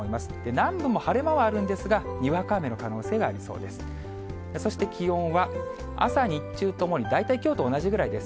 南部も晴れ間はあるんですが、にわか雨の可能性がありそうです。